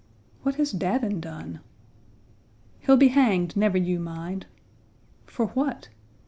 "What has Davin done?" "He'll be hanged, never you mind." "For what?"